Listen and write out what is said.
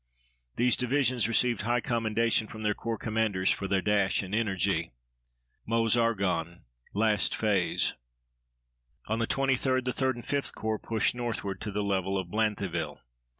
These divisions received high commendation from their corps commanders for their dash and energy. MEUSE ARGONNE LAST PHASE On the 23d the 3d and 5th Corps pushed northward to the level of Banthéville.